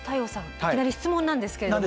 いきなり質問なんですけれども。